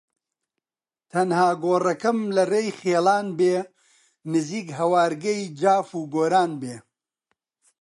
تەنها گۆڕەکەم لە ڕێی خیڵان بێ نزیک هەوارگەی جاف و کۆران بێ